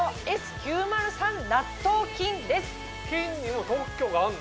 菌にも特許があんの？